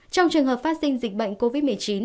trong trường hợp phát sinh dịch bệnh covid một mươi chín